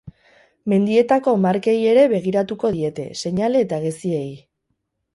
Mendietako markei ere begiratuko diete, seinale eta geziei.